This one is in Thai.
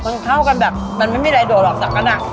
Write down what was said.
มันเข้ากันแบบมันไม่มีอะไรโดดหรอกแต่ก็หนัก